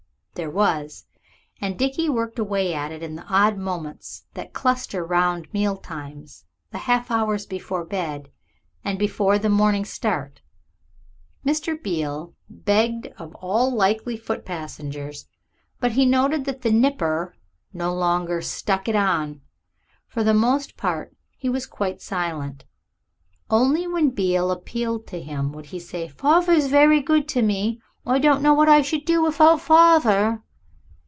There was, and Dickie worked away at it in the odd moments that cluster round meal times, the half hours before bed and before the morning start. Mr. Beale begged of all likely foot passengers, but he noted that the "nipper" no longer "stuck it on." For the most part he was quite silent. Only when Beale appealed to him he would say, "Farver's very good to me. I don't know what I should do without farver."